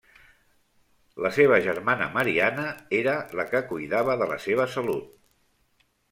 La seva germana Mariana era la que cuidava de la seva salut.